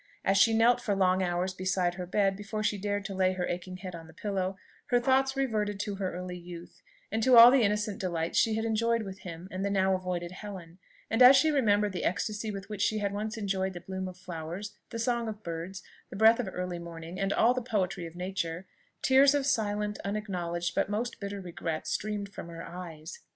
As she knelt for long hours beside her bed before she dared to lay her aching head on the pillow, her thoughts reverted to her early youth, and to all the innocent delights she had enjoyed with him and the now avoided Helen; and as she remembered the ecstasy with which she once enjoyed the bloom of flowers, the songs of birds, the breath of early morning, and all the poetry of Nature, tears of silent, unacknowledged, but most bitter regret, streamed from her eyes.